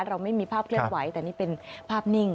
เราไม่มีภาพเคลื่อนไหวแต่นี่เป็นภาพนิ่ง